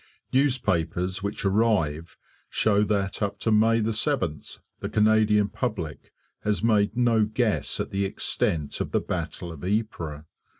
Newspapers which arrive show that up to May 7th, the Canadian public has made no guess at the extent of the battle of Ypres.